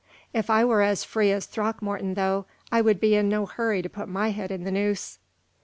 If I were as free as Throckmorton, though, I would be in no hurry to put my head in the noose."